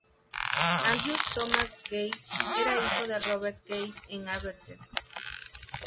Andrew Thomas Gage era hijo de Robert Gage en Aberdeen.